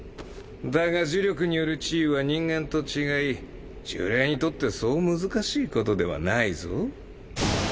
だが呪力による治癒は人間と違い呪霊にとってそう難しいことではないぞ。